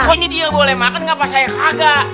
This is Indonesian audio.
kok ini dia boleh makan kenapa saya kagak